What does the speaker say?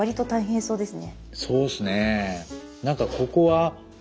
そうですね。